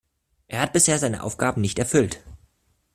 Er hat bisher seine Aufgaben nicht erfüllt.